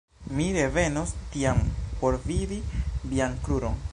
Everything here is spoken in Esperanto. Mi revenos tiam por vidi vian kruron.